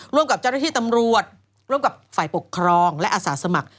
ร่วมกับเจ้าหน้าที่ตำรวจร่วมกับฝ่ายปกครองและอาสาสมัคร